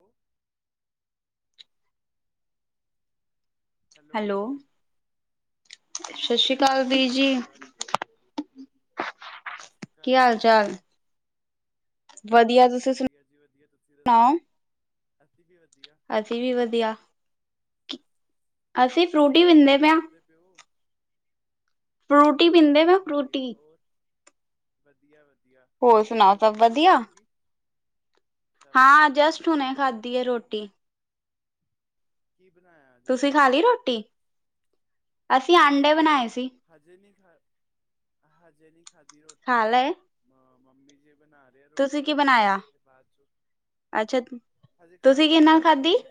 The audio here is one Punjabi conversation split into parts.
ਹੈਲੋ! ਹੈਲੋ! ਸਸ਼ੀ ਹਾਂਜੀ, ਸਸ੍ਰੀ ਕਾਲ। ਸਸ੍ਰੀ ਕਾਲ, ਕੀ ਹਾਲ ਐ? ਵਧੀਆ ਤੁਸੀਂ ਵਧੀਆ ਜੀ ਵਧੀਆ, ਤੁਸੀਂ ਦੱਸੋ? ਸੁਣਾਓ ਅਸੀਂ ਵੀ ਵਧੀਆ। ਕੀ ਅਸੀਂ ਵੀ ਕਰਦੇ ਪਏ ਹੋ ਵਧੀਆ। ਅਸੀਂ ਫਰੂਟੀ ਪੀ ਕੀ ਕਰਦੇ ਪੇ ਓ? ਫਰੂਟੀ ਪੀਂਦੇ ਪੇ ਆ, ਫਰੂਟੀ। ਵਧੀਆ- ਵਧੀਆ। ਹੋਰ ਸੁਣਾਓ ਸਭ ਰੋਟੀ- ਰੂਟੀ ਵਧੀਆ ਹੋਗੀ? ਸਭ ਵਧੀਆ। ਹੁਨੇ ਖਾਧੀ ਏ ਰੋਟੀ। ਕੀ ਬਨਾਇਆ ਅੱਜ? ਤੁਸੀਂ ਰੋਟੀ ਚ ਖਾਲੀ ਰੋਟੀ? ਅਸੀਂ ਆਂਡੇ ਬਨਾਏ ਸੀ। ਹਜੇ ਨੀ ਖਾ-ਹਜੇ ਨੀ ਖਾਧੀ ਰੋਟੀ ਖਾ ਹਜੇ, ਲਏ ਮ ਮੰਮੀ ਜੀ ਬਣਾ ਬਨਾਂਦੇ ਆ ਤੁਸੀਂ ਰੋਟੀ ਕੀ ਬਣਾਇਆ ਤੇ ਬਾਅਦ ਚੋ ਅੱਛਾ ਹਜੇ ਤੁਸੀਂ ਖਾਧੀ ਕਿਹਦੇ ਨੀ ਨਾਲ ਐ ਖਾਧੀ ਰੋਟੀ।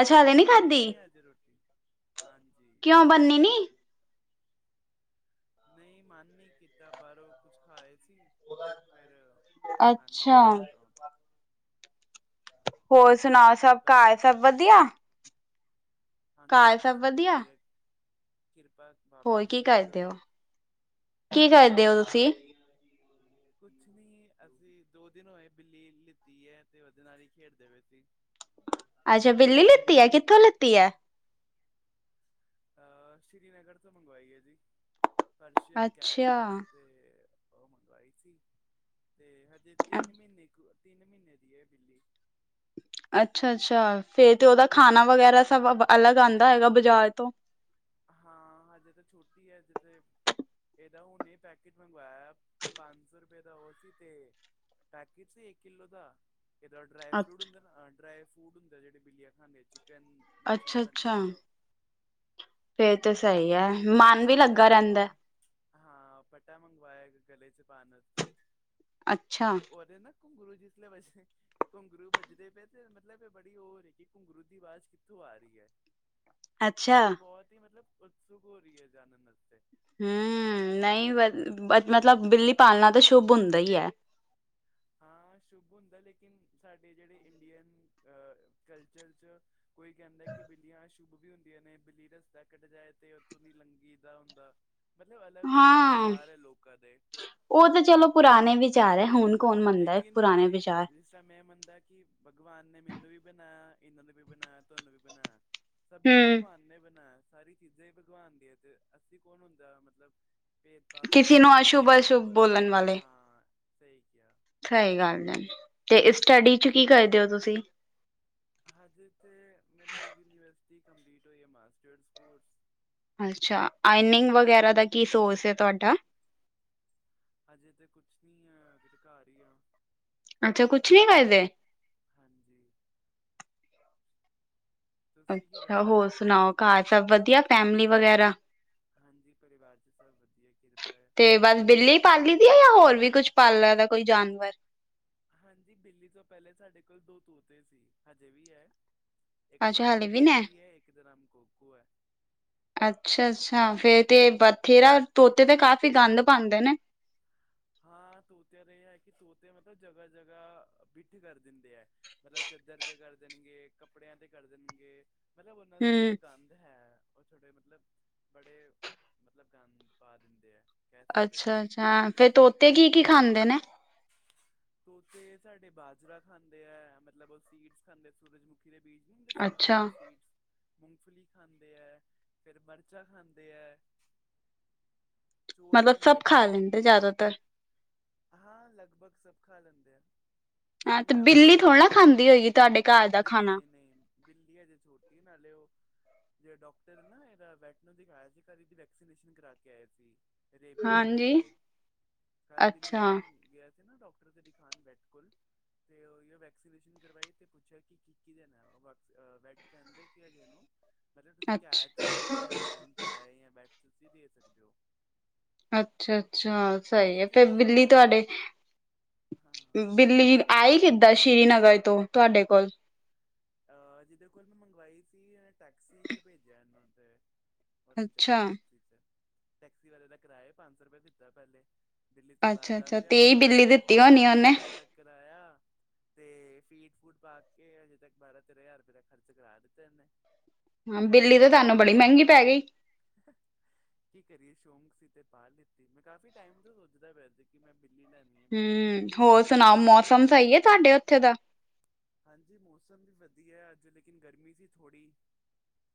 ਅੱਛਾ ਹਲੇ ਖਾਦੀ ਖਾਧੀ ਨੀ ਐ ਅਜੇ ਰੋਟੀ, ਹਾਂਜੀ। ਕਿਉਂ ਬੰਨੀ ਨੀ ਨਈ, ਮਨ ਨੀਂ ਕੀਤਾ ਬਾਅਰੋਂ ਕੁਛ ਖਾ ਆਏ ਸੀ ਫੇਰ ਮਨ ਨੀ ਅੱਛਾ ਕਰਦਾ ਪਿਆ ਹੁਣ। ਔਰ ਸੁਣਾਓ, ਘਰ- ਪਰਿਵਾਰ ਸਭ ਠੀਕ- ਠਾਕ? ਹਾਂਜੀ- ਹਾਂਜੀ ਸਭ ਵਧੀਆ, ਕਿਰਪਾ ਬਾਬੇ ਹੋਰ ਦੀ। ਕੀ ਤੁਸੀਂ ਕਰਦੇ ਹੋ ਦੱਸੋ? ਕੀ ਕਰਦੇ ਓ ਤੁਸੀਂ? ਕੁਛ ਨੀ, ਅਸੀਂ ਦੋ ਦਿਨ ਹੋਏ ਬਿੱਲੀ ਲਿੱਤੀ ਐ ਤੇ ਓਦੇ ਨਾਲ ਈ ਖੇਡਦੇ ਪਏ ਸੀ। ਅੱਛਾ ਬਿੱਲੀ ਲੀਤੀ ਐ, ਕਿੱਥੋਂ ਲੀਤੀ ਐ? ਆਹ ਸ਼੍ਰੀਨਗਰ ਤੋਂ ਮੰਗਵਾਈ ਐ ਜੀ, ਪਰਸ਼ੀਅਨ ਕੈਟ ਅੱਛਾ ਐ ਤੇ ਓ ਮੰਗਵਾਈ ਸੀ, ਤੇ ਹਜੇ ਤਿੰਨ ਮੀਂਨੇ ਕੁ- ਤਿੰਨ ਮੀਂਨੇ ਦੀ ਏ ਬਿੱਲੀ। ਅੱਛਾ-ਅਛਾ। ਫੇਰ ਤੇ ਓਦਾ ਖਾਣਾ ਵਗੈਰਾ ਸਭ ਅਲੱਗ ਆਂਦਾ ਹੋਏਗਾ ਬਾਜ਼ਾਰ ਤੋਂ? ਹਾਂ, ਹਜੇ ਤਾਂ ਛੋਟੀ ਐ ਹਜੇ ਤੇ ਏਦਾ ਹੁੰਨੇ ਈ ਪੈਕਿਟ ਮੰਗਵਾਇਆ, ਪੰਜ ਸੌ ਰੁਪਏ ਦਾ ਓ ਸੀ ਤੇ ਪੈਕਟ ਸੀ ਇੱਕ ਕਿਲੋ ਦਾ ਜਿਦਾਂ ਡਰਾਈ ਫਰੂਟ ਹੁੰਦਾ ਨਾ ਡਰਾਈ ਫਰੂਟ ਹੁੰਦਾ ਜਿਹੜੇ ਬਿੱਲੀਆ ਖਾਂਦੇ ਚਿਕਨ, ਮੱਛੀ ਦਾ ਅੱਛਾ ਬਣਿਆ ਅੱਛਾ ਹੁੰਦਾ ਉਹ ਫੇਰ ਤੇ ਸਹੀ ਤੇ ਹੈ ਇੱਕ ਮਨ ਵੀ ਪਟਾ ਲੱਗਾ ਰਹਿੰਦਾ ਮੰਗਵਾਇਆ। ਹਾਂ ਪੱਟਾ ਮੰਗਵਾਇਆ ਇਕ ਗਲੇ ਚ ਪਾਣ ਵਾਸਤੇ, ਅੱਛਾ ਤੇ ਉਹਦੇ ਨਾ ਘੁੰਗਰੂ [unintelligible] ਘੁੰਗਰੂ ਵੱਜਦੇ ਪਏ ਤੇ ਮਤਲਬ ਇਹ ਬੜੀ ਹੋ ਰੀ ਘੁੰਗਰੂ ਦੀ ਆਵਾਜ਼ ਕਿੱਥੋਂ ਆ ਐ। ਅੱਛਾ, ਹਮ ਬਹੁਤ ਹੀ ਮਤਲਬ ਉਤਸੁਕ ਹੋ ਰਹੀ ਐ ਜਾਣਨ ਵਾਸਤੇ ਹੂੰ, ਨਈ ਮਤਲਬ ਬਿੱਲੀ ਪਾਲਣਾ ਤਾਂ ਸ਼ੁੱਭ ਹੁੰਦਾ ਹੀ ਐ। ਹਾਂ ਸ਼ੁੱਭ ਹੁੰਦਾ ਲੇਕਿਨ ਸਾਡੇ ਜਿਹੜੇ ਇੰਡੀਅਨ ਅਹ ਕਲਚਰ 'ਚ ਕੋਈ ਕਹਿੰਦਾ ਕਿ ਬਿੱਲੀਆਂ ਸ਼ੁੱਭ ਵੀ ਹੁੰਦੀਆਂ ਨੇ ਬਿੱਲੀ ਰਸਤਾ ਕੱਟ ਜਾਏ ਤੇ ਉੱਥੋਂ ਲੰਘੀ ਦਾ ਹੁੰਦਾ। ਮਤਲਬ ਅਲੱਗ ਅਲੱਗ ਹਾਂ ਵਿਚਾਰ ਐ ਲੋਕਾਂ ਦੇ। ਉਹ ਤਾਂ ਚਲੋ ਪੁਰਾਣੇ ਵਿਚਾਰ ਐ ਹੁਣ ਕੌਣ ਮੰਨਦਾ ਐ ਲੇਕਿਨ ਪੁਰਾਣੇ ਮੇਰੇ ਵਿਚਾਰ ਜਿਸ ਤਰਾ ਮੈਂ ਮੰਨਦਾ ਕਿ ਭਗਵਾਨ ਨੇ ਮੈਨੂੰ ਵੀ ਬਣਾਇਆ ਇਹਨਾਂ ਨੂੰ ਵੀ ਬਣਾਇਆ ਤੁਹਾਨੂੰ ਵੀ ਬਣਾਇਆ। ਸਭ ਨੂੰ ਹਮ ਭਗਵਾਨ ਨੇ ਬਣਾਇਆ ਸਾਰੀ ਚੀਜ਼ਾਂ ਹੀ ਭਗਵਾਨ ਦੀਆਂ ਤੇ ਅੱਸੀ ਕੌਣ ਹੁੰਦੇ ਮਤਲਬ ਭੇਦ-ਭਾਵ ਕਿਸੇ ਕਰਨ ਨੂੰ ਵਾਲੇ ਅਸ਼ੁਭ ਕੀ, ਅਸ਼ੁਭ ਬੋਲਣ ਵਾਲੇ ਹਾਂ ਸਹੀ ਕਿਆ। ਸਹੀ ਗੱਲ ਐ, ਤੇ ਸਟੱਡੀ ਚ ਕੀ ਕਰਦੇ ਔ ਤੁਸੀਂ? ਹਜੇ ਤੇ ਮੇਰੇ ਯੂਨੀਵਰਸਿਟੀ ਕੰਪਲੀਟ ਹੋਈ ਐ ਮਾਸਟਰ ਕੋਰਸ। ਅੱਛਾ ਆਈਨਿੰਗ ਵਗੈਰਾ ਦਾ ਕੀ ਸੋਰਸ ਐ ਤੁਹਾਡਾ? ਹਜੇ ਤੇ ਕੁਛ ਨੀ ਆ ਹਜੇ ਤਾਂ ਘਰ ਈ ਆ। ਅੱਛਾ ਕੁਛ ਨੀ ਕਰਦੇ? ਹਾਂਜੀ, ਤੁਸੀਂ ਕੀ ਅੱਛਾ ਕਰਦੇ ਹੋ ਹੋਰ ਸੁਣਾਓ ਘਰ ਸਭ ਵਧੀਆ ਫੈਮਲੀ ਵਗੈਰਾ? ਹਾਂਜੀ ਪਰਿਵਾਰ ਚ ਸਭ ਵਧੀਆ ਕਿਰਪਾ ਐ, ਤੁਸੀਂ ਦੱਸੋ? ਵਧੀਆ ਜਾਂ ਹੋਰ ਵੀ ਕੁਛ ਪਾਲ ਲੈਂਦਾ ਕੋਈ ਜਾਨਵਰ। ਹਾਂਜੀ ਬਿੱਲੀ ਤੋਂ ਪਹਿਲੇ ਸਾਡੇ ਕੋਲ ਦੋ ਤੋਤੇ ਸੀ ਹਜੇ ਵੀ ਐ। ਇੱਕ ਦਾ ਅੱਛਾ ਨਾਮ ਹਾਲੇ ਵੀ ਨੇ ਕੀਕੀ ਐ ਇੱਕ ਦਾ ਨਾਮ ਕੋਕੂ ਐ। ਅੱਛਾ-ਅੱਛਾ ਫੇਰ ਤੇ ਬਥੇਰਾ ਤੋਤੇ ਤੇ ਕਾਫ਼ੀ ਗੰਦ ਪਾਦੇ ਨੇ। ਹਾਂ ਤੋਤਿਆਂ ਦਾ ਇਹ ਐ ਕਿ ਤੋਤੇ ਮਤਲਬ ਜਗ੍ਹਾ-ਜਗ੍ਹਾ ਬਿੱਠ ਕਰ ਦਿੰਦੇ ਐ। ਮਤਲਬ ਚਾਦਰ ਤੇ ਕਰ ਦੇਣਗੇ, ਕੱਪੜਿਆਂ ਤੇ ਕਰ ਦੇਣਗੇ। ਮਤਲਬ ਉਹਨਾਂ ਦਾ ਥੋੜ੍ਹਾ ਹਮ ਗੰਦ ਹੈ। ਉਹ ਛੋਟੇ ਮਤਲਬ, ਬੜੇ ਮਤਲਬ ਗੰਦ ਪਾ ਦਿੰਦੇ ਐ। ਅੱਛਾ-ਅੱਛਾ, ਫੇਰ ਤੋਤੇ ਕੀ-ਕੀ ਖਾਂਦੇ ਨੇ? [inaudible] ਤੋਤੇ ਸਾਡੇ ਬਾਜਰਾ ਖਾਂਦੇ ਐ ਮਤਲਬ ਉਹ ਸੀਡਸ ਖਾਂਦੇ ਆ ਸੂਰਜਮੁਖੀ ਦੇ ਬੀਜ ਅੱਛਾ [inaudible] ਮੂੰਗਫਲੀ ਖਾਂਦੇ ਐ, ਫਿਰ ਮਿਰਚਾ ਖਾਂਦੇ ਐ। ਚੌਲ ਮਤਲਬ ਖਾਂਦੇ ਸਭ ਐ ਖਾ ਕੱਚੇ, ਲੈਂਦੇ ਜ਼ਿਆਦਾਤਰ ਹਾਂ ਲਗਭਗ ਸਭ ਖਾ ਲੈਂਦੇ ਆ। ਹਾਂ ਲੇਕਿਨ ਤੇ ਗੰਦ ਬਿੱਲੀ ਬੜਾ ਥੋੜਾ ਨਾ ਪਾਂਦੇ ਐ, ਖਾਂਦੀ ਹੋਏਗੀ ਤੁਹਾਡੇ ਘਰ ਦਾ ਖਾਣਾ ਨਈ-ਨਈ-ਨਈ। ਬਿੱਲੀ ਹਜੇ ਛੋਟੀ ਨਾਲੇ ਉਹ ਜੇ ਡਾਕਟਰ ਨਾ ਐਦਾ ਵੈਟਨਰੀ ਦਿਖਾਇਆ ਤੀ ਘਰ ਇਹਦੀ ਵੈਕਸੀਨੇਸ਼ਨ ਕਰਾਕੇ ਆਏ ਸੀ। ਰੇਬੀਸ ਹਾਂਜੀ ਵਾਸਤੇ, ਕੱਲ੍ਹ ਬਿੱਲੀ ਨੂੰ ਅੱਛਾ ਗਿਆ ਅਸੀਂ ਨਾ ਡਾਕਟਰ ਦੇ ਤੇ ਦਿਖਾਣ [unintelligible] ਕੇ ਉਹੀਓ ਵੈਕਸੀਨੇਸ਼ਨ ਕਰਵਾਈ ਤੇ ਪੁੱਛਿਆ ਕੀ-ਕੀ ਦੇਣਾ, ਬਸ, ਬਟ ਕਹਿੰਦੇ ਕੇ ਹਜੇ ਇਹਨੂੰ - ਮਤਲਬ ਤੁਸੀਂ ਅੱਛਾ ਕੈਚ ਫੂਡ ਈ ਦੇਣਾ ਡਰਾਈ ਜਾਂ [unintelligible] ਦੇ ਸਕਦੇ ਹੋ। ਅੱਛਾ- ਅੱਛਾ ਸਹੀ ਐ ਲੇਕਿਨ ਫਿਰ ਇਹ ਬਿੱਲੀ ਹੈ ਤੁਹਾਡੇ, ਹਾਂ ਬੋਲੋ ਬਿੱਲੀ ਆਈ ਕਿੱਦਾਂ ਸ੍ਰੀਨਗਰ ਤੋਂ ਤੁਹਾਡੇ ਕੋਲ? ਅਹ ਜਿਹਦੇ ਕੋਲ ਮੈਂ ਮੰਗਵਾਈ ਸੀ, ਇਹਨੇ ਟੈਕਸੀ ਚੋਂ ਭੇਜਿਆ ਇਹਨੂੰ ਫਿਰ ਉਹਦੇ ਚੋਂ ਆਈ ਅੱਛਾ। ਟੈਕਸੀ ਚੋਂ, ਟੈਕਸੀ ਵਾਲੇ ਦਾ ਕਿਰਾਇਆ ਵੀ ਪੰਜ ਸੌ ਰੁਪਏ ਦਿੱਤਾ ਪਹਿਲੇ ਬਿੱਲੀ ਤੋਂ ਬਾਅਦ, ਦਸ ਅੱਛਾ-ਅੱਛਾ ਹਜ਼ਾਰ ਦੀ ਤੇਈ ਬਿੱਲੀ ਦਿੱਤੀ ਹੋਣੀ ਪੰਜ ਸੌ ਉਹਨੇ ਰੁਪਏ ਤੱਕ ਕਰਾਇਆ, ਤੇ ਫੀਡ- ਫੂਡ ਪਾ ਕੇ ਹਜੇ ਤੱਕ ਬਾਰਾਂ -ਤੇਰਾਂ ਹਜ਼ਾਰ ਰੁਪਏ ਦਾ ਖਰਚ ਕਰਾ ਦਿੱਤੇ ਇਹਨੇ। ਹੂ ਬਿੱਲੀ ਤੇ ਤਾਹਨੂੰ ਬੜੀ ਮਹਿੰਗੀ ਪੈ ਗਈ। ਹਾਹਾਹ ਕੀ ਕਰੀਏ ਸ਼ੌਂਕ ਸੀ ਤੇ ਪਾ ਲਿੱਤੀ, ਮੈਂ ਕਾਫ਼ੀ ਟਾਈਮ ਤੋਂ ਸੋਚਦਾ ਪਿਆ ਸੀ ਕਿ ਮੈਂ ਬਿੱਲੀ ਲੈਂਲਾ ਹੂੰ, ਹੋਰ ਸੁਣਾਓ ਮੋਸਮ ਸਹੀ ਐ ਤੁਹਾਡੇ ਉੱਥੇ ਦਾ। ਹਾਂਜੀ ਮੌਸਮ ਵੀ ਵਧੀਆ ਅੱਜ ਲੇਕਿਨ ਗਰਮੀ ਸੀ ਥੋੜ੍ਹੀ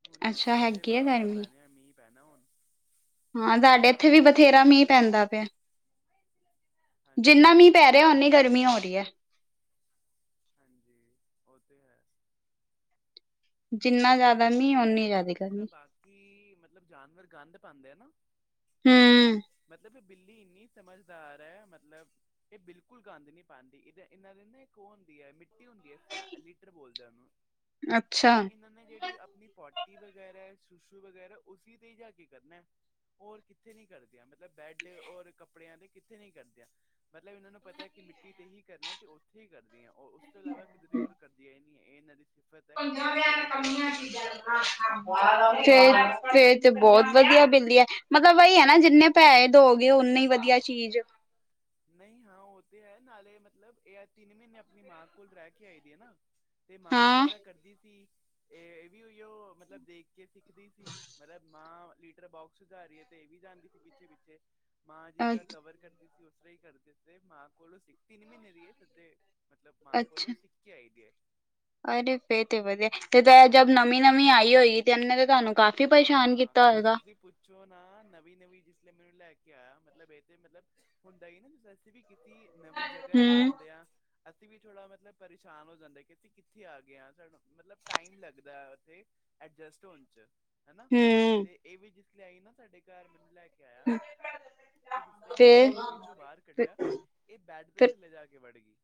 ਹੁਣ ਆਏ ਅੱਛਾ ਕਹਿੰਦੇ ਹੈਗੀ ਹੈ ਬਾਰਿਸ਼ਾਂ ਗਰਮੀ ਪੈਣੀਆਂ, ਮੀਂਹ ਪੈਣਾ ਹੁਣ ਹਾਂ ਸਾਡੇ ਇੱਥੇ ਵੀ ਬਿਲਕੁਲ ਬਥੇਰਾ ਏਸੀ ਮੀਂਹ ਲੱਗਿਆ ਪੈਂਦਾ ਪਿਆ। ਹਾਂਜੀ ਜਿੰਨਾ ਮੀਂਹ ਹਾਂਜੀ ਪੈ ਰਿਹਾ ਉਂਨੀ ਗਰਮੀ ਹੋ ਰਹੀ ਐ। ਹਾਂਜੀ ਉਹ ਤੇ ਹੈ। ਜਿੰਨਾ ਜ਼ਿਆਦਾ ਲੇਕਿਨ ਮੀਂਹ ਇਹ ਓਨੀ ਹੈ ਕਿ ਜ਼ਿਆਦਾ ਜਿਸ ਗਰਮੀ ਤਰ੍ਹਾਂ ਕਿ ਮਤਲਬ ਜਾਨਵਰ ਗੰਦ ਪਾਂਦੇ ਆ ਨਾਂ, ਹੂੰ ਮਤਲਬ ਬਿੱਲੀ ਇੰਨੀ ਸਮਝਦਾਰ ਐ, ਮਤਲਬ ਇਹ ਬਿਲਕੁਲ ਗੰਦ ਨਈ ਪਾਂਦੀ, ਏਦਾਂ, ਇਹਨਾਂ ਦੇ ਨਾ ਇੱਕ ਉਹ ਹੁੰਦੀ ਹੈ, ਮਿੱਟੀ, ਹੁੰਦੀ ਹੈ ਸ ਲੀਟਰ ਬੋਲਦੇ ਉਹਨੂੰ ਤੇ ਅੱਛਾ। ਇਹਨਾਂ ਨੇ ਜਿਹੜੀ ਆਪਣੀ ਪੋਟੀ ਵਗੈਰਾ, ਸੁਸ਼ੂ ਵਗੈਰਾ ਉਸੀ ਤੇ ਈ ਜਾ ਕੇ ਕਰਨਾ। ਹੋਰ ਕਿੱਥੇ ਨੀ ਕਰਦੀਆਂ ਮਤਲਬ ਬੈੱਡ ਔਰ ਕੱਪੜਿਆਂ ਤੇ ਕਿੱਥੇ ਨੀ ਕਰਦੀਆਂ। ਮਤਲਬ ਇਹਨਾਂ ਨੂੰ ਪਤਾ ਕਿ ਮਿੱਟੀ ਤੇ ਹੀ ਕਰਨਾ ਤੇ ਉੱਥੇ ਈ ਕਰਦੀਆਂ ਓ ਉਸ ਤੋਂ ਇਲਾਵਾ ਕਿਧਰੇ ਹੋਰ ਕਰਦੀਆ ਈ ਨੀ, ਇਹ ਇਹਨਾਂ ਦੀ ਸਿਫਤ ਹੈ। ਮਤਲਬ ਸਮਝਦਾਰ ਹੈ [unintelligible] ਫੇਰ, ਫੇਰ ਤੇ ਬਹੁਤ ਵਧੀਆ ਬਿੱਲੀ ਐ। ਮਤਲਬ ਵਹੀ ਐ ਨਾ ਜਿੰਨੇ ਪੇਹੇ ਦਉਗੇ ਉਨੀੇ ਈ ਵਧੀਆ ਚੀਜ਼ ਨਹੀਂ ਹਾਂ ਉਹ ਤੇ ਹੈ ਨਾਲੇ ਮਤਲਬ ਇਹ ਐ ਤਿੰਨ ਮਹੀਨੇ ਆਪਣੀ ਮਾਂ ਕੋਲ ਰਹਿ ਕੇ ਆਈ ਦੀ ਐ ਨਾ ਤੇ ਮਾਂ ਜਿਸ ਹਾਂ ਤਰ੍ਹਾਂ ਕਰਦੀ ਸੀ, ਇਹ, ਇਹ ਵੀ ਉਈਓ ਮਤਲਬ ਦੇਖ ਕੇ ਸਿੱਖਦੀ ਸੀ। ਮਤਲਬ ਮਾਂ ਲੀਟਰ ਬੋਕਸ ਚ ਜਾ ਰਹੀ ਐ ਤੇ ਇਹ ਵੀ ਜਾਂਦੀ ਸੀ ਪਿੱਛੇ- ਪਿੱਛੇ। ਮਾਂ ਜਿਸ ਅ ਤਰ੍ਹਾਂ ਕਵਰ ਕਰਦੀ ਸੀ ਉਸ ਤਰ੍ਹਾਂ ਈ ਕਰਦੀ ਸੀ ਮਾਂ ਕੋਲੋਂ ਸ, ਤਿੰਨ ਮਹੀਨੇ ਦੀ ਏ ਸਿੱਧੇ ਮਤਲਬ ਮਾਂ ਕੋਲੋਂ ਅੱਛਾ ਸਿੱਖ ਕੇ ਆਈ ਦੀਏ। ਅਰੇ ਫਿਰ ਤੇ ਵਧੀਆ, ਤੇ ਜ ਜਬ ਨਵੀਂ -ਨਵੀਂ ਆਈ ਹੋਏਗੀ ਤੇ ਇਹਨੇ ਤਾਂ ਤੁਹਾਨੂੰ ਕਾਫੀ ਪਰੇਸ਼ਾਨ ਕੀਤਾ ਹੋਏਗਾ? ਛੋ ਨਾ ਨਵੀਂ- ਨਵੀਂ ਜਿਸ ਦਿਨ ਮੈ ਇਹਨੂੰ ਲੈ ਕੇ ਆਇਆ ਮਤਲਬ ਇਹ ਤੇ ਮਤਲਬ ਹੁੰਦਾ ਈ ਨਾ ਅਸੀਂ ਵੀ ਕੀ ਸੀਂ ਨਵੀਂ ਜਗ੍ਹਾ ਤੇ ਹਮ ਜਾਂਦੇ ਆ ਅਸੀਂ ਵੀ ਥੋੜ੍ਹਾ ਮਤਲਬ ਪਰੇਸ਼ਾਨ ਹੋ ਜਾਂਦੇ ਕਿ ਅਸੀਂ ਕਿੱਥੇ ਆ ਗਏ ਆ, ਸਾਨੂੰ ਮਤਲਬ ਟਾਈਮ ਲੱਗਦਾ ਉੱਥੇ ਐਡਜਸਟ ਹੋਣ ਚ ਹਨਾ, ਹਮ ਤੇ ਇਹ ਵੀ ਜਿਸ ਲਈ ਆਈ ਨਾ ਸਾਡੇ ਘਰ ਮੈਨੂੰ ਲੈ ਕੇ ਕੇ ਆਇਆ, ਤੇ ਜਿਸ ਤਰ੍ਹਾਂ ਮੈਨੂੰ ਫੇਰ ਟੋਕਰੀ ਚੋ ਬਾਹਰ ਕੱਢਿਆ, ਇਹ ਬੈੱਡ ਦੇ ਫਿਰ ਥੱਲੇ ਜਾ ਕੇ ਵੜ ਗਈ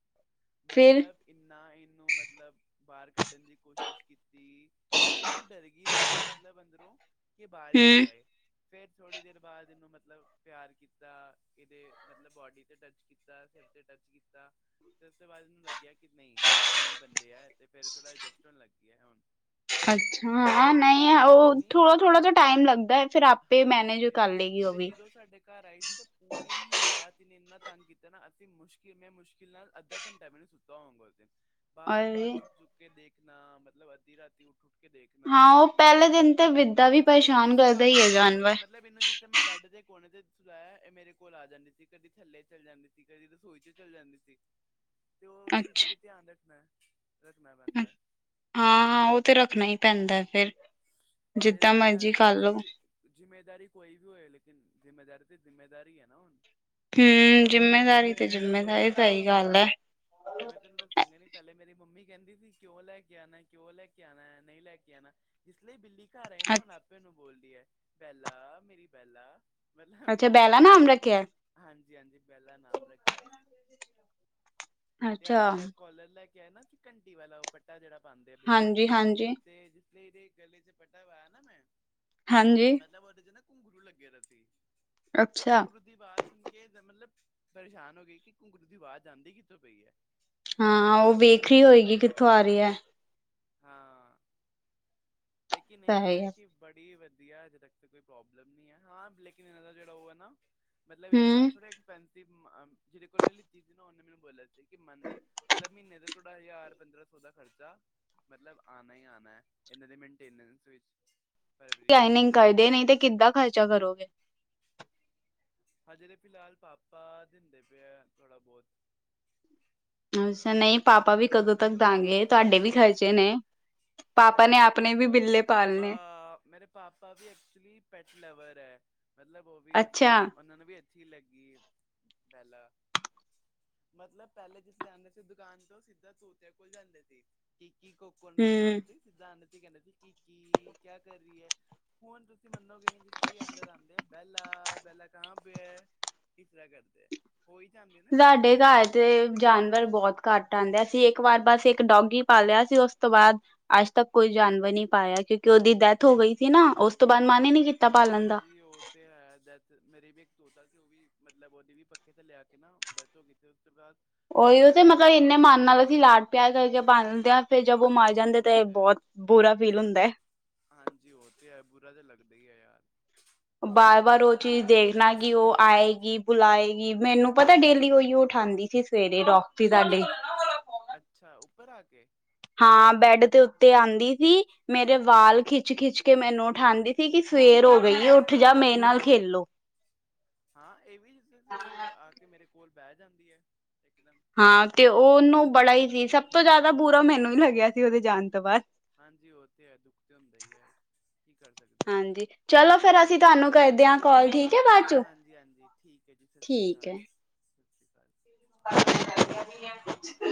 ਫਿਰ ਮਤਲਬ ਇੰਨਾ ਇਹਨੂੰ ਮਤਲਬ ਬਾਹਰ ਕੱਢਣ ਦੀ ਕੋਸ਼ਿਸ਼ ਕੀਤੀ, ਮਤਲਬ ਇੰਨੀ ਡਰ ਗਈ ਸੀ ਮਤਲਬ ਮਤਲਬ ਅੰਦਰੋਂ, ਕਿ ਬਾਹਰ ਈ ਨਾ ਹਮ ਆਏ। ਫਿਰ ਥੋੜ੍ਹੀ ਦੇਰ ਬਾਅਦ ਇਹਨੂੰ ਮਤਲਬ ਪਿਆਰ ਕੀਤਾ ਇਹਦੇ ਮਤਲਬ ਬੋਡੀ ਤੇ ਟੱਚ ਕੀਤਾ ਫਿਰ ਤੇ ਟਚ ਕੀਤਾ। ਤੇ ਉਸ ਤੋਂ ਬਾਅਦ ਇਹਨੂੰ ਲੱਗਿਆ ਕਿ ਨਹੀ ਆਪਣੇ ਈ ਬੰਦੇ ਆ ਤੇ ਫਿਰ ਥੋੜ੍ਹਾ ਅਡਜਸਟ ਹੋਣ ਲੱਗੀਆ ਹੁਣ। ਅੱਛਾ ਤੇ ਤੁਸੀਂ ਨਹੀਂ ਮੰਨੋਗੇ ਉਹ ਨਹੀਂ ਥੋੜਾ-ਥੋੜਾ ਤਾਂ ਟਾਈਮ ਲੱਗਦਾ ਐ ਫਿਰ ਆਪੇ ਹਾਂ ਉਹ ਮੈਨੇਜ ਤੇ ਕਰ ਹੈ ਲਏਗੀ ਉਹ ਤੇ ਵੀ। ਜਦੋਂ ਸਾਡੇ ਘਰ ਆਈ ਸੀ ਤੇ ਪੂਰੀ ਹੀ ਰਾਤ ਇਹਨੇ ਇੰਨਾ ਤੰਗ ਕੀਤਾ ਨਾ ਅਸੀਂ ਮੁਸ਼ਕਿਲ ਮੈਂ ਮੁਸ਼ਕਿਲ ਨਾਲ, ਅੱਧਾ ਘੰਟਾ ਵੀ ਨੀ ਸੁੱਤਾ ਹੋਓਗਾ ਉਸ ਦਿਨ, ਔਰ ਬਾਰ-ਬਾਰ ਚੁੱਕ-ਚੁੱਕ ਕੇ ਦੇਖਣਾ ਮਤਲਬ ਅੱਧੀ ਰਾਤੀ ਉੱਠ-ਉੱਠ ਕੇ ਹਾਂ ਦੇਖਣਾ ਪਹਿਲੇ ਦਿਨ ਤੇ ਵਿਦਾ ਵੀ ਮਤਲਬ ਇਹਨੂੰ ਪਰੇਸ਼ਾਨ ਕਰਦਾ ਹੀ ਸਵਾਣਾ ਹੈ ਕਿੱਥੇ ਜਾਨਵਰ ਮਤਲਬ ਇਹਨੂੰ ਜ ਤੇ ਮੈਂ ਬੈੱਡ ਦੇ ਕੋਣੇ ਤੇ ਸੁਲਾਇਆ ਇਹ ਮੇਰੇ ਕੋਲ ਆ ਜਾਂਦੀ ਸੀ ਕਦੀ ਥੱਲੇ ਚੱਲ ਜਾਂਦੀ ਸੀ ਕਦੀ ਰਸੋਈ ਚ ਚੱਲ ਜਾਂਦੀ ਸੀ। ਤੇ ਓਸ ਚੀਜ਼ ਦਾ ਵੀ ਅੱਛਾ ਧਿਆਨ ਰੱਖਣਾ, ਰੱਖਣਾ ਪੈਂਦਾ। ਹਾਂ-ਹਾਂ, ਉਹ ਤੇ ਰੱਖਣਾ ਈ ਪੈਂਦਾ ਫੇਰ। ਇਹ ਤੇ ਹੈ ਤੁਸੀਂ ਜਿੰਮੇਦਾਰੀ ਕੋਈ ਵੀ ਹੋਏ ਲੇਕਿਨ ਜਿੰਮੇਦਾਰੀ ਤੇ ਜਿੰਮੇਦਾਰੀ ਐ ਨਾ ਹੁਣ। ਹੁਣ ਇਹਨਾਂ ਦੇ ਵੀ ਹੂੰ ਜਿੰਮੇਦਾਰੀ ਪੈ ਤੇ ਗਈ ਹੈ ਜਿੰਮੇਦਾਰੀ ਸਹੀ ਗੱਲ ਐ। ਤੇ ਮੈਂ ਤੈਨੂੰ ਦੱਸਾ ਨੀ ਪਹਿਲੇ ਮੇਰੀ ਮੰਮੀ ਕਹਿੰਦੀ ਸੀ ਕਿਉਂ ਲੈ ਕੇ ਆਣਾ ਕਿਉਂ ਲੈ ਕੇ ਆਣਾ ਨਹੀਂ ਲੈ ਕੇ ਆਣਾ। ਜਿਸ ਲਈ ਬਿੱਲੀ ਘਰ ਐ ਨਾ ਹੁਣ ਆਪੇ ਓਹਨੂੰ ਬੋਲਦੀ ਐ ਬੈਲਾ ਮੇਰੀ ਬੈਲਾ ਮਤਲਬ ਵੀ ਅੱਛਾ ਬੈਲਾ ਨਾਮ ਮ ਰੱਖਿਆ ਹਾਂਜੀ-ਹਾਂਜੀ ਬੈਲਾ ਨਾਮ ਰੱਖਿਆ ਐ, ਤੇ ਅੱਜ ਅੱਛਾ ਦਾ ਕੋਲਰ ਲੈ ਕੇ ਕਿਆ ਨਾ ਕਿ ਘੰਟੀ ਵਾਲਾ ਉਹ ਪੱਟਾ ਜਿਹੜਾ ਪਾਂਦੇ ਆ ਬਿੱਲੀਆਂ ਨੂੰ, ਹਾਂਜੀ ਹਾਂਜੀ ਤੇ ਜਿਸ ਲਈ ਇਹਦੇ ਗਲੇ ਚ ਪੱਟਾ ਪਾਇਆ ਨਾ ਮੈਂ, ਹਾਂਜੀ ਮਤਲਬ ਉਹਦੇ ਚ ਨਾ ਘੁੰਘਰੂ ਲੱਗੇ ਦੇ ਸੀ। ਤੇ ਅੱਛਾ ਘੁੰਗਰੂ ਦੀ ਆਵਾਜ਼ ਸੁਣ ਕੇ ਮਤਲਬ ਪਰੇਸ਼ਾਨ ਹੋ ਗਈ ਕਿ ਘੁੰਗਰੂ ਦੀ ਆਵਾਜ਼ ਆਂਦੀ ਕਿੱਥੋਂ ਪਈ ਐ। ਹਾਂ ਫੇਰ ਉਹ ਆਪਣੇ ਵੇਖ ਇੱਥੇ ਰਹੀ ਹੋਏਗੀ ਖੇਲਣ ਲੱਗ ਕਿੱਥੋਂ ਗੀ, ਆ ਰਹੀ ਹੈ ਹਾਂ। ਲੇਕਿਨ ਇਹ ਸਹੀ ਆ ਹੈ ਕੀ ਬੜੀ ਵਧੀਆ ਹਜੇ ਤੱਕ ਤਾਂ ਕੋਈ ਪ੍ਰੋਬਲਮ ਨੀ ਐ, ਹਾਂ ਲੇਕਿਨ ਇਹਦਾ ਜਿਹੜਾ ਉਹ ਐ ਨਾ ਮਤਲਬ ਇਹਨਾਂ ਦਾ ਹਮ ਥੋੜ੍ਹਾ ਐਕਪੈਨਸਿਵ ਅ ਜਿਹਦੇ ਕੋਲ ਮੈਂ ਲਿਤੀ ਸੀ ਨਾ ਉਹਨੇ ਮੈਨੂੰ ਬੋਲਿਆ ਸੀ ਕਿ ਮਨ ਮਤਲਬ ਮਹੀਨੇ ਦਾ ਥੋਡਾ ਹਜ਼ਾਰ ਪੰਦਰਾਂ ਸੌ ਦਾ ਖਰਚਾ, ਮਤਲਬ ਆਣਾ ਈ ਆਣਾ। ਇਹਨਾਂ ਦੇ ਮੇਨਟੇਨੈਂਸ ਵਿੱਚ ਪਰਵਰਿਸ਼ ਲਾਈਨਿੰਗ ਵਿੱਚ ਕਰਦੇ ਨਹੀ ਤੇ ਕਿੱਦਾਂ ਖਰਚਾ ਕਰੋਗੇ? ਹਜੇ ਤਾ ਫਿਲਹਾਲ ਪਾਪਾ ਦਿੰਦੇ ਪਏ ਆ ਥੋੜਾ ਬਹੁਤ। ਅੱਛਾ ਨਹੀ ਪਾਪਾ ਵੀ ਕਦੋਂ ਤੱਕ ਦਾਂਗੇ ਤੁਹਾਡੇ ਵੀ ਖਰਚੇ ਨੇ। ਪਾਪਾ ਨਈ, ਨੇ ਮੇਰੇ ਆਪਣੇ ਪਾਪਾ ਨੂੰ ਵੀ ਬਿੱਲੇ ਨਾ ਪਾਲਣੇ ਅ ਮੇਰੇ ਪਾਪਾ ਵੀ ਐਕਚੁਲੀ ਪੈਟ ਲਵਰ ਐ ਮਤਲਬ ਉਹ ਵੀ ਮਤਲਬ ਅੱਛਾ ਉਹਨਾਂ ਨੂੰ ਵੀ ਅੱਛੀ ਲੱਗੀ ਬੈਲਾ। ਮਤਲਬ ਪਹਿਲੇ ਜਿਸ ਆਉਂਦੇ ਸੀ, ਦੁਕਾਨ ਤੋਂ ਸਿੱਧਾ ਤੋਤਿਆਂ ਕੋਲ ਜਾਂਦੇ ਸੀ ਕਿ ਕੀ ਉਹਨਾਂ ਦਾ ਹਮ ਨਾਮ ਸੀ ਸਿਧਾਂ ਕਹਿੰਦੇ ਸੀ, ਕਿ ਕੀ ਕਿਆ ਕਰ ਰਹੀ ਹੈ। ਹੁਣ ਤੁਸੀਂ ਮੰਨੋਗੇ ਨਹੀਂ, ਜਿਸ ਤਰ੍ਹਾਂ ਅੰਦਰ ਆਉਂਦੇ ਬੈਲਾ-ਬੈਲਾ ਕਹਾ ਪੇ ਹੈ। ਇਸਸ ਤਰ੍ਹਾਂ ਕਰਦੇ ਆ। ਸਾਡੇ ਘਰ ਤੇ ਜਾਨਵਰ ਬਹੁਤ ਘੱਟ ਆਦੇ ਆ ਸੀ ਇੱਕ ਵਾਰ ਬਸ ਇੱਕ ਡੋਗੀ ਪਾ ਲਿਆ ਸੀ ਉਸ ਤੋਂ ਬਾਅਦ ਅੱਜ ਤੱਕ ਕੋਈ ਜਾਨਵਰ ਨਹੀ ਪਾਇਆ ਕਿਉਂਕਿ ਉਹਦੀ ਡੈਥ ਹੋ ਗਈ ਸੀ ਨਾ, ਉਸ ਤੋਂ ਬਾਅਦ ਮਨ ਹੀ ਨੀ ਹਾਂਜੀ ਉਹ ਫਿਰ ਹੈ ਡੈਥ ਮੇਰੀ ਵੀ ਇੱਕ ਤੋਤਾ ਸੀ ਉਹ ਵੀ ਮਤਲਬ ਉਹ ਓਦੀ ਵੀ ਪੱਖੇ ਤੇ ਥਲੇ ਆ ਕੇ ਨਾ ਡੈਥ ਹੋ ਗਈ ਸੀ ਉਸ ਤੋਂ ਬਾਅਦ ਉਹੀ ਉ ਸਾਨੂੰ ਤੇ ਮਤਲਬ ਇੰਨੇ ਮਨ ਨਾਲ ਅਸੀਂ ਲਾਡ- ਪਿਆਰ ਕਰਕੇ ਪਾਲਣਦੇ ਹਾਂ। ਫੇਰ ਜਬ ਉ ਮਰ ਹਾਂਜੀ ਜਾਂਦੇ ਉਹ ਤੇ ਏ ਹੈ ਬਹੁਤ ਬੁਰਾ ਫੀਲ ਹੁੰਦਾ ਹੈ। ਹਾਂਜੀ, ਉ ਤੇ ਹੈ, ਬੁਰਾ ਤਾਂ ਲੱਗਦਾ ਹੀ ਹੈ ਯਾਰ। ਬਾਰ- ਬਾਰ ਉ ਚੀਜ਼ ਦੇਖਣਾ ਕਿ ਉ ਆਏਗੀ, ਬੁਲਾਏਗੀ ਮੈਨੂੰ ਪਤਾ ਡੇਲੀ ਉਹੀ ਉ ਉਠਾਉਦੀ ਸੀ। ਸਵੇ ਰੇਕਸੀ ਸਾਡੀ। ਅੱਛਾ, ਉੱਪਰ ਆ ਕੇ। ਹਾਂ, ਬੈਡ ਦੇ ਉੱਤੇ ਆਦੀ ਸੀ ਮੇਰੇ ਅੱਛਾ ਵਾਲ ਜੀ ਖਿੱਚ-ਖਿੱਚ ਕੇ ਮੈਨੂੰ ਉਠਾਂਦੀ ਸੀ ਕਿ ਸਵੇਰ ਹੋ ਗਈ ਹੈ ਉੱਠ ਜਾ ਮੇਰੇ ਨਾਲ ਖੇਲੋ। ਹਾਂ ਏ ਵੀ ਸਵੇਰੇ-ਸਵੇਰੇ ਆ ਕੇ ਮੇਰੇ ਕੋਲ ਬਹਿ ਜਾਂਦੀ ਹੈ ਇਕ ਦਮ। ਹਾਂ, ਤੇ ਉਹਨੂੰ ਬੜਾ ਹੀ ਸੀ ਸਭ ਤੋਂ ਜ਼ਿਆਦਾ ਬੁਰਾ ਮੈਨੂੰ ਹੀ ਲੱਗਿਆ ਸੀ ਉਹਦੇ ਜਾਣ ਤੋਂ ਬਾਅਦ। ਹਾਂਜੀ, ਉ ਤੇ ਹੈ ਦੁੱਖ ਤੇ ਹੁੰਦਾ ਹੀ ਹੈ ਕੀ ਕਰ ਸਕਦੇ ਆ। ਹਾਂਜੀ ਚਲੋ ਠੀਕ ਫੇਰ ਹੈ ਮੈਂ ਅਸੀਂ ਤੈਨੂੰ ਤੁਹਾਨੂੰ ਹਾ। ਕਰਦੇ ਹਾਂ ਕਾਲ ਠੀਕ ਹੈ ਬਾਅਦ ਚੋਂ ਹਾਂਜੀ-ਹਾਂਜੀ, ਠੀਕ ਹੈ ਜੀ ਸਤਿ ਸ਼੍ਰੀ ਅਕਾਲ, ਸਤਿ ਸ੍ਰੀ ਅਕਾਲ। [inaudible] ਕੁਛ